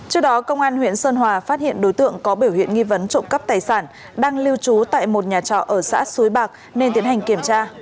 trước đó công an huyện sơn hòa phát hiện đối tượng có biểu hiện nghi vấn trộm cắp tài sản đang lưu trú tại một nhà trọ ở xã suối bạc nên tiến hành kiểm tra